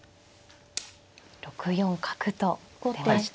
６四角と出ました。